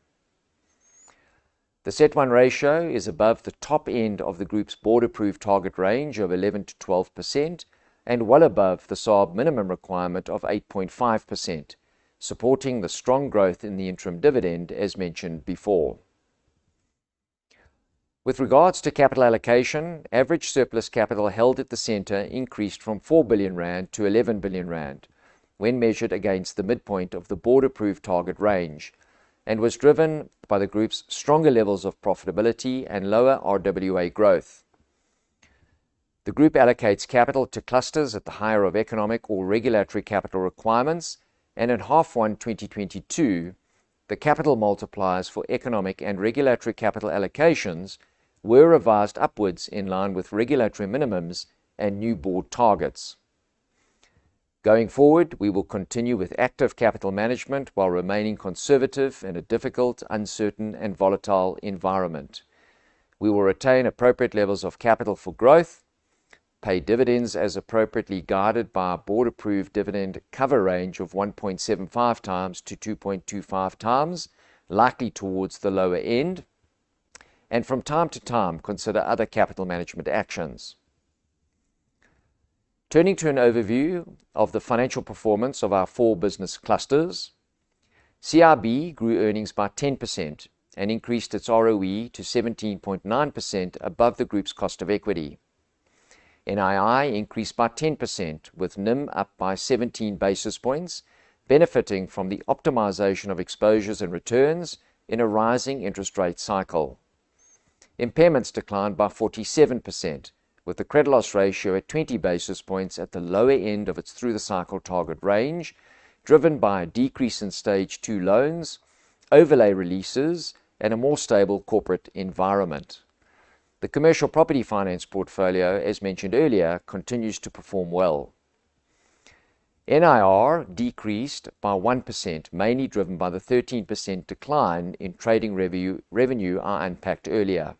The CET1 ratio is above the top end of the group's board-approved target range of 11%-12% and well above the SARB minimum requirement of 8.5%, supporting the strong growth in the interim dividend as mentioned before. With regards to capital allocation, average surplus capital held at the center increased from 4 billion rand to 11 billion rand when measured against the midpoint of the board-approved target range and was driven by the group's stronger levels of profitability and lower RWA growth. The group allocates capital to clusters at the higher of economic or regulatory capital requirements, and at half one 2022, the capital multipliers for economic and regulatory capital allocations were revised upwards in line with regulatory minimums and new board targets. Going forward, we will continue with active capital management while remaining conservative in a difficult, uncertain, and volatile environment. We will retain appropriate levels of capital for growth, pay dividends as appropriately guided by our board-approved dividend cover range of 1.75 times-2.25 times, likely towards the lower end, and from time to time, consider other capital management actions. Turning to an overview of the financial performance of our four business clusters, CIB grew earnings by 10% and increased its ROE to 17.9% above the group's cost of equity. NII increased by 10%, with NIM up by 17 basis points, benefiting from the optimization of exposures and returns in a rising interest rate cycle. Impairments declined by 47%, with the credit loss ratio at 20 basis points at the lower end of its through-the-cycle target range, driven by a decrease in stage 2 loans, overlay releases, and a more stable corporate environment. The commercial property finance portfolio, as mentioned earlier, continues to perform well. NIR decreased by 1%, mainly driven by the 13% decline in trading revenue I unpacked earlier.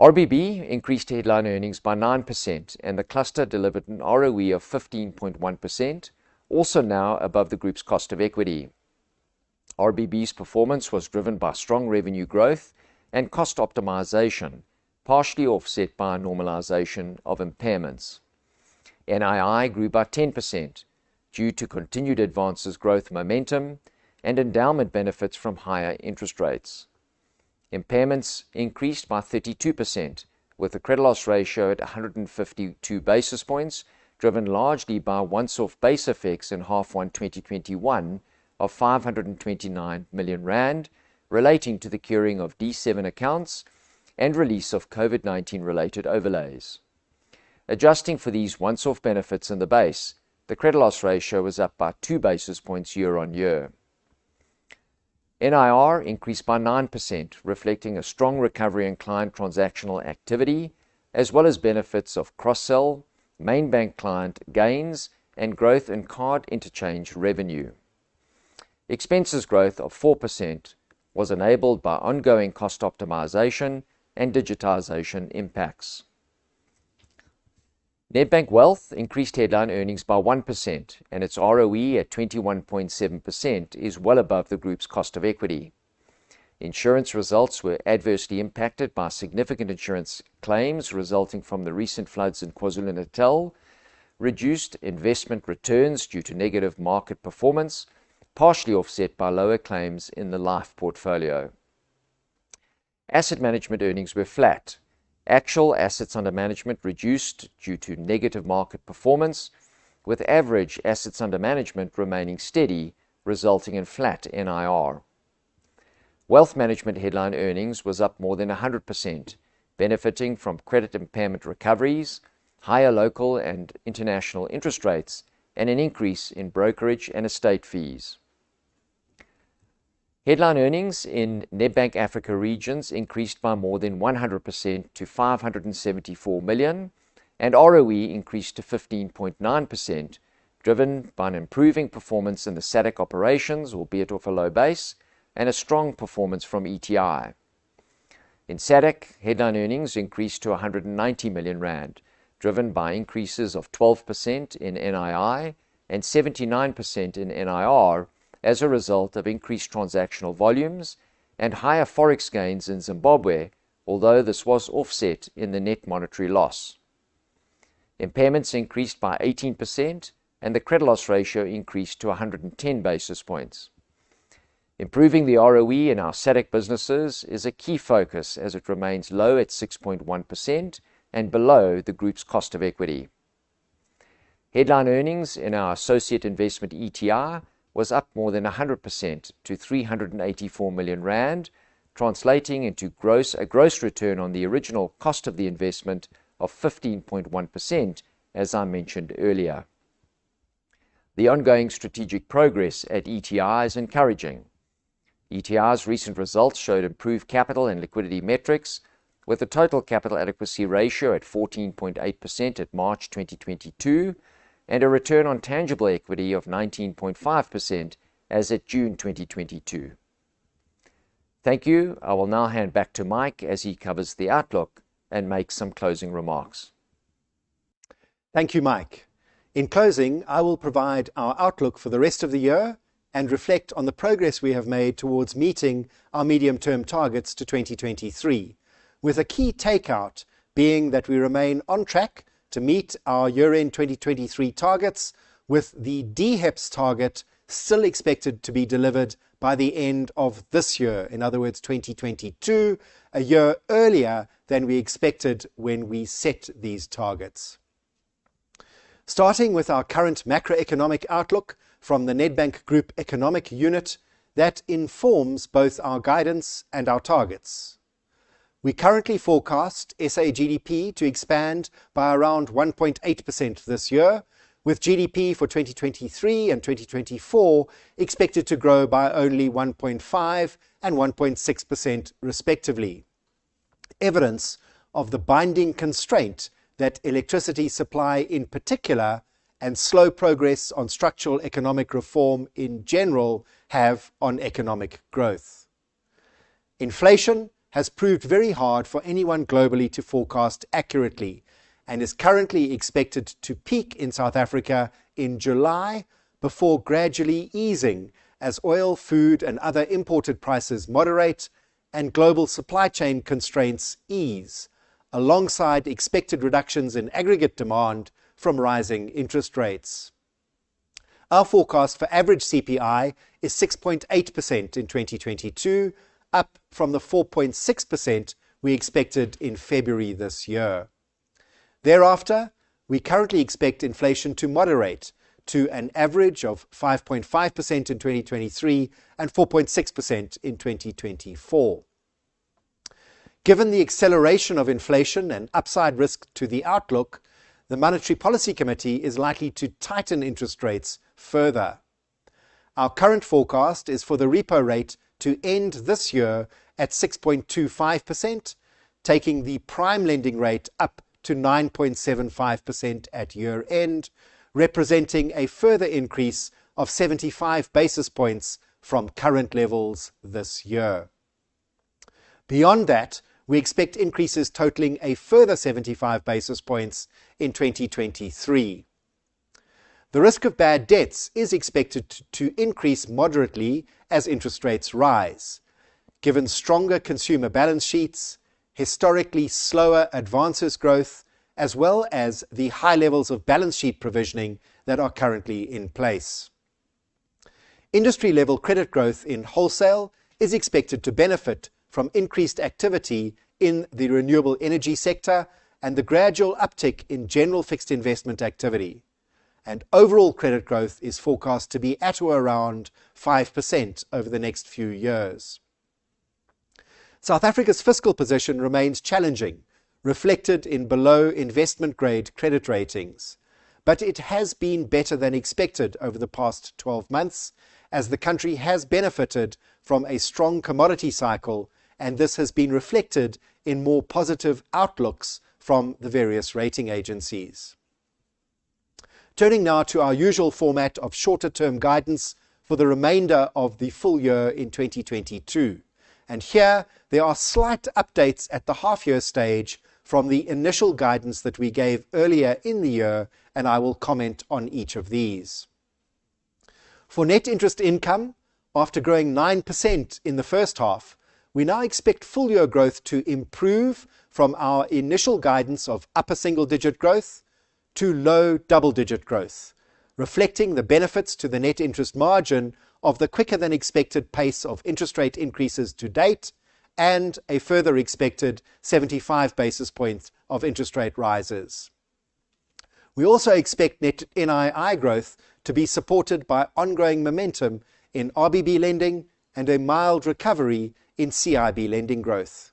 RBB increased headline earnings by 9%, and the cluster delivered an ROE of 15.1%, also now above the group's cost of equity. RBB's performance was driven by strong revenue growth and cost optimization, partially offset by a normalization of impairments. NII grew by 10% due to continued advances growth momentum and endowment benefits from higher interest rates. Impairments increased by 32%, with the credit loss ratio at 152 basis points, driven largely by once-off base effects in half one, 2021 of 529 million rand relating to the curing of D7 accounts and release of COVID-19 related overlays. Adjusting for these once-off benefits in the base, the credit loss ratio was up by two basis points year-on-year. NIR increased by 9%, reflecting a strong recovery in client transactional activity as well as benefits of cross-sell, main bank client gains, and growth in card interchange revenue. Expenses growth of 4% was enabled by ongoing cost optimization and digitization impacts. Nedbank Wealth increased headline earnings by 1%, and its ROE at 21.7% is well above the group's cost of equity. Insurance results were adversely impacted by significant insurance claims resulting from the recent floods in KwaZulu-Natal, reduced investment returns due to negative market performance, partially offset by lower claims in the life portfolio. Asset management earnings were flat. Actual assets under management reduced due to negative market performance, with average assets under management remaining steady, resulting in flat NIR. Wealth management headline earnings was up more than 100%, benefiting from credit impairment recoveries, higher local and international interest rates, and an increase in brokerage and estate fees. Headline earnings in Nedbank Africa Regions increased by more than 100% to 574 million, and ROE increased to 15.9%, driven by an improving performance in the SADC operations, albeit off a low base, and a strong performance from ETI. In SADC, headline earnings increased to 190 million rand, driven by increases of 12% in NII and 79% in NIR as a result of increased transactional volumes and higher forex gains in Zimbabwe, although this was offset in the net monetary loss. Impairments increased by 18%, and the credit loss ratio increased to 110 basis points. Improving the ROE in our SADC businesses is a key focus as it remains low at 6.1% and below the group's cost of equity. Headline earnings in our associate investment, ETI, was up more than 100% to 384 million rand, translating into a gross return on the original cost of the investment of 15.1%, as I mentioned earlier. The ongoing strategic progress at ETI is encouraging. ETI's recent results showed improved capital and liquidity metrics with a total capital adequacy ratio at 14.8% at March 2022, and a return on tangible equity of 19.5% as at June 2022. Thank you. I will now hand back to Mike as he covers the outlook and makes some closing remarks. Thank you, Mike. In closing, I will provide our outlook for the rest of the year and reflect on the progress we have made towards meeting our medium-term targets to 2023, with a key takeout being that we remain on track to meet our year-end 2023 targets with the DHEPS target still expected to be delivered by the end of this year, in other words, 2022, a year earlier than we expected when we set these targets. Starting with our current macroeconomic outlook from the Nedbank Group Economic Unit that informs both our guidance and our targets. We currently forecast SA GDP to expand by around 1.8% this year, with GDP for 2023 and 2024 expected to grow by only 1.5% and 1.6% respectively, evidence of the binding constraint that electricity supply in particular, and slow progress on structural economic reform in general have on economic growth. Inflation has proved very hard for anyone globally to forecast accurately and is currently expected to peak in South Africa in July before gradually easing as oil, food, and other imported prices moderate and global supply chain constraints ease alongside expected reductions in aggregate demand from rising interest rates. Our forecast for average CPI is 6.8% in 2022, up from the 4.6% we expected in February this year. Thereafter, we currently expect inflation to moderate to an average of 5.5% in 2023 and 4.6% in 2024. Given the acceleration of inflation and upside risk to the outlook, the Monetary Policy Committee is likely to tighten interest rates further. Our current forecast is for the repo rate to end this year at 6.25%, taking the prime lending rate up to 9.75% at year-end, representing a further increase of 75 basis points from current levels this year. Beyond that, we expect increases totaling a further 75 basis points in 2023. The risk of bad debts is expected to increase moderately as interest rates rise. Given stronger consumer balance sheets, historically slower advances growth, as well as the high levels of balance sheet provisioning that are currently in place. Industry level credit growth in wholesale is expected to benefit from increased activity in the renewable energy sector and the gradual uptick in general fixed investment activity. Overall credit growth is forecast to be at or around 5% over the next few years. South Africa's fiscal position remains challenging, reflected in below investment grade credit ratings. It has been better than expected over the past 12 months, as the country has benefited from a strong commodity cycle, and this has been reflected in more positive outlooks from the various rating agencies. Turning now to our usual format of shorter-term guidance for the remainder of the full year in 2022. Here, there are slight updates at the half year stage from the initial guidance that we gave earlier in the year. I will comment on each of these. For net interest income, after growing 9% in the first half, we now expect full year growth to improve from our initial guidance of upper single digit growth to low double digit growth, reflecting the benefits to the net interest margin of the quicker than expected pace of interest rate increases to date, and a further expected 75 basis points of interest rate rises. We also expect net NII growth to be supported by ongoing momentum in RBB lending and a mild recovery in CIB lending growth.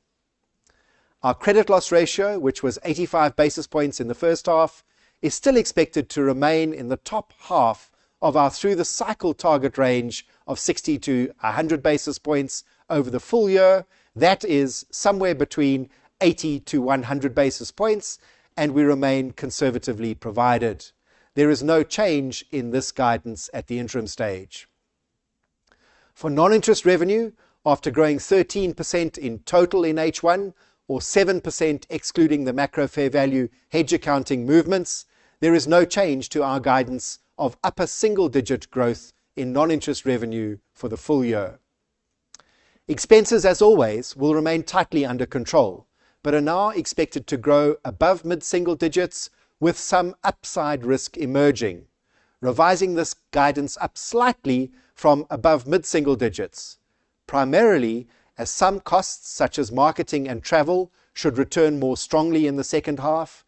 Our credit loss ratio, which was 85 basis points in the first half, is still expected to remain in the top half of our through the cycle target range of 60 to 100 basis points over the full year. That is somewhere between 80 to 100 basis points. We remain conservatively provided. There is no change in this guidance at the interim stage. For non-interest revenue, after growing 13% in total in H1 or 7% excluding the macro fair value hedge accounting movements, there is no change to our guidance of upper single digit growth in non-interest revenue for the full year. Expenses, as always, will remain tightly under control, are now expected to grow above mid-single digits with some upside risk emerging. Revising this guidance up slightly from above mid-single digits, primarily as some costs such as marketing and travel should return more strongly in the second half,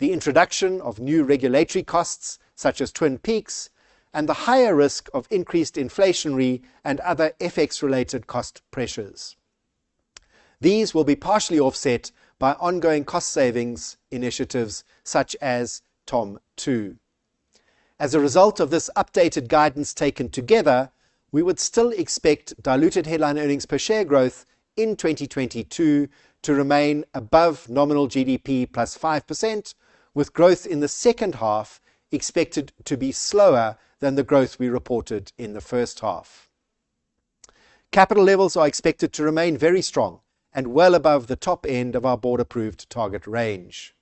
the introduction of new regulatory costs such as Twin Peaks, and the higher risk of increased inflationary and other FX related cost pressures. These will be partially offset by ongoing cost savings initiatives such as TOM2. As a result of this updated guidance taken together, we would still expect diluted headline earnings per share growth in 2022 to remain above nominal GDP plus 5%, with growth in the second half expected to be slower than the growth we reported in the first half. Capital levels are expected to remain very strong and well above the top end of our board-approved target range.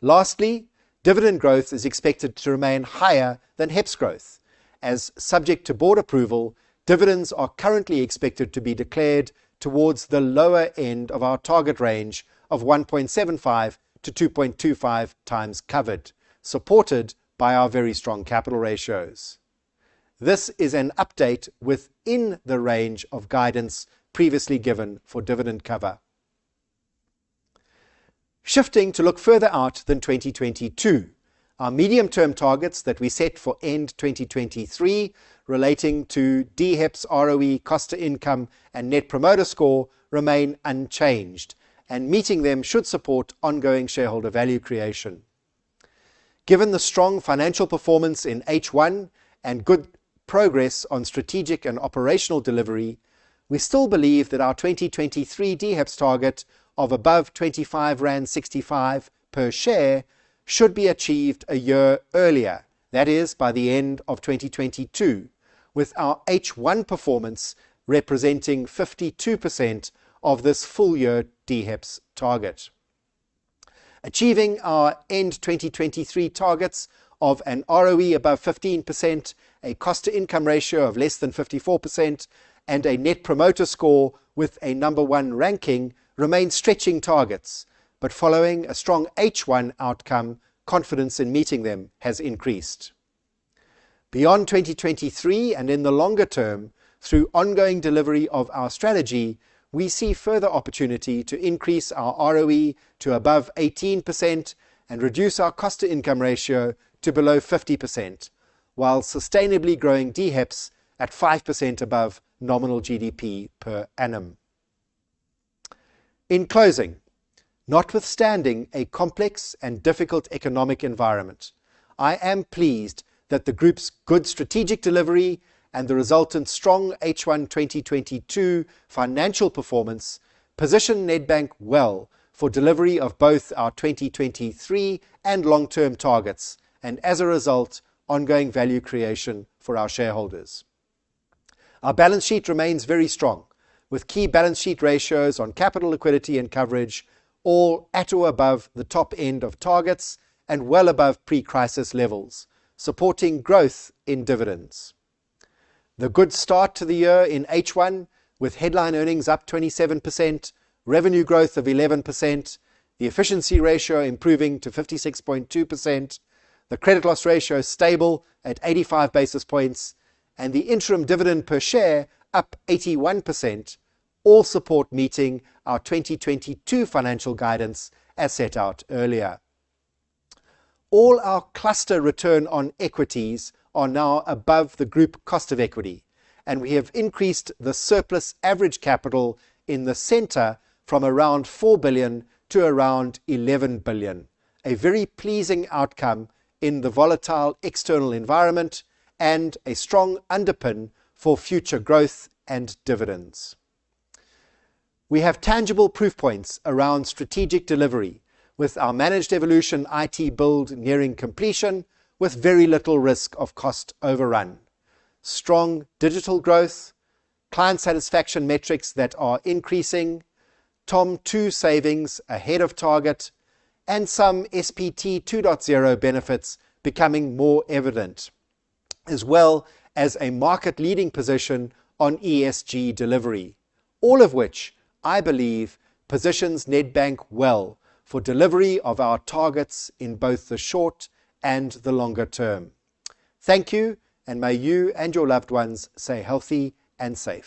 Lastly, dividend growth is expected to remain higher than HEPS growth. Subject to board approval, dividends are currently expected to be declared towards the lower end of our target range of 1.75-2.25 times covered, supported by our very strong capital ratios. This is an update within the range of guidance previously given for dividend cover. Shifting to look further out than 2022. Our medium-term targets that we set for end 2023 relating to DHEPS, ROE, cost-to-income, and Net Promoter Score remain unchanged, and meeting them should support ongoing shareholder value creation. Given the strong financial performance in H1 and good progress on strategic and operational delivery, we still believe that our 2023 DHEPS target of above 25.65 rand per share should be achieved a year earlier. That is by the end of 2022, with our H1 performance representing 52% of this full-year DHEPS target. Achieving our end 2023 targets of an ROE above 15%, a cost-to-income ratio of less than 54%, and a Net Promoter Score with a number 1 ranking remains stretching targets. Following a strong H1 outcome, confidence in meeting them has increased. Beyond 2023 and in the longer-term, through ongoing delivery of our strategy, we see further opportunity to increase our ROE to above 18% and reduce our cost-to-income ratio to below 50%, while sustainably growing DHEPS at 5% above nominal GDP per annum. In closing, notwithstanding a complex and difficult economic environment, I am pleased that the group's good strategic delivery and the resultant strong H1 2022 financial performance position Nedbank well for delivery of both our 2023 and long-term targets, and as a result, ongoing value creation for our shareholders. Our balance sheet remains very strong, with key balance sheet ratios on capital liquidity and coverage all at or above the top end of targets and well above pre-crisis levels, supporting growth in dividends. The good start to the year in H1, with headline earnings up 27%, revenue growth of 11%, the efficiency ratio improving to 56.2%, the credit loss ratio stable at 85 basis points, and the interim dividend per share up 81%, all support meeting our 2022 financial guidance as set out earlier. All our cluster return on equity are now above the group cost of equity, and we have increased the surplus average capital in the center from around 4 billion to around 11 billion. A very pleasing outcome in the volatile external environment and a strong underpin for future growth and dividends. We have tangible proof points around strategic delivery with our Managed Evolution IT build nearing completion with very little risk of cost overrun. Strong digital growth, client satisfaction metrics that are increasing, TOM2 savings ahead of target, and some SPT 2.0 benefits becoming more evident, as well as a market leading position on ESG delivery. All of which, I believe, positions Nedbank well for delivery of our targets in both the short and the longer term. Thank you, and may you and your loved ones stay healthy and safe